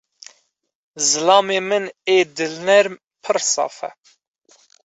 Zilamê min ê dilnerm, pir saf e.